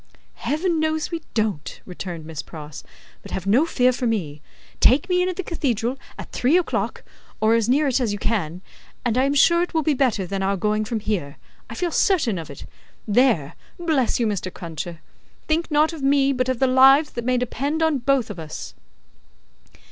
"Heaven knows we don't," returned Miss Pross, "but have no fear for me. Take me in at the cathedral, at Three o'Clock, or as near it as you can, and I am sure it will be better than our going from here. I feel certain of it. There! Bless you, Mr. Cruncher! Think not of me, but of the lives that may depend on both of us!"